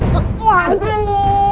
kocok angan lu